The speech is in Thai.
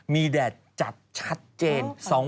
มีแดดจัดชัดเจน